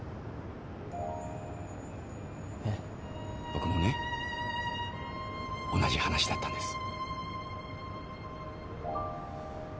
僕もね同じ話だったんです。